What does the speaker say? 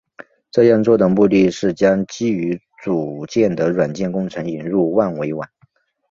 这样做的目的是将基于组件的软件工程引入万维网。